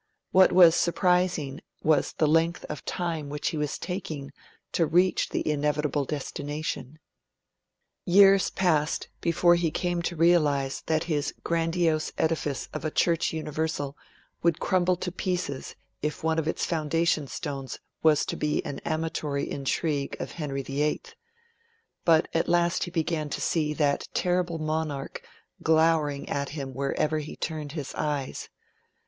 What was surprising was the length of time which he was taking to reach the inevitable destination. Years passed before he came to realise that his grandiose edifice of a Church Universal would crumble to pieces if one of its foundation stones was to be an amatory intrigue of Henry VIII. But, at last he began to see that terrible monarch glowering at him wherever he turned his eyes.